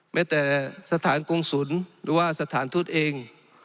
แม้แต่สถานกงศูนย์หรือว่าสถานทูตเอง